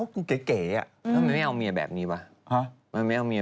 ผมแบบจะมีข่าวดี